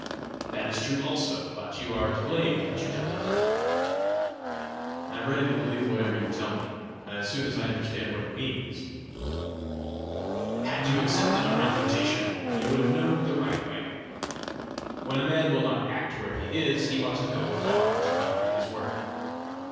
"That is true also but you are to blame that you did not." "I am ready to believe whatever you tell me as soon as I understand what it means." "Had you accepted our invitation, you would have known the right way. When a man will not act where he is, he must go far to find his work."